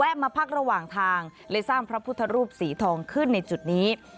มาพักระหว่างทางเลยสร้างพระพุทธรูปสีทองขึ้นในจุดนี้